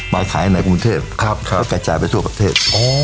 มาขายให้ในกรุงเทพฯแล้วก็แก่จ่ายไปทั่วประเทศ